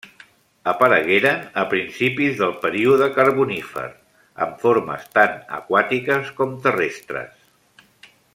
Aparegueren a principis del període Carbonífer, amb formes tant aquàtiques com terrestres.